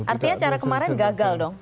artinya cara kemarin gagal dong